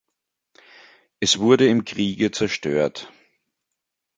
Es wurde im Kriege zerstört.